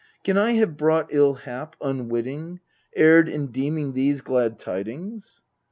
Can I have brought ill hap Unwitting erred in deeming these glad tidings?